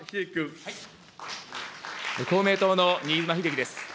公明党の新妻秀規です。